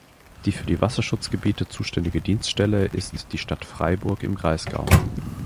Die für die Wasserschutzgebiete zuständige Dienststelle ist die Stadt Freiburg im Breisgau.